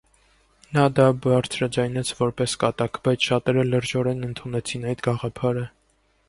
Նա դա բարձրաձայնեց որպես կատակ, բայց շատերը լրջորեն ընդունեցին այդ գաղափարը։